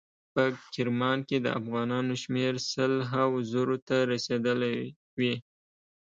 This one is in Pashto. په کرمان کې د افغانانو شمیر سل هاو زرو ته رسیدلی وي.